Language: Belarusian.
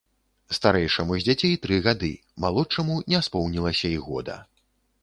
Старэйшаму з дзяцей тры гады, малодшаму не споўнілася і года.